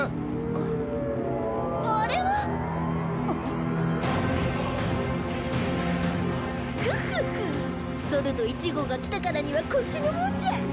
フッフッフそると１号が来たからにはこっちのもんじゃ。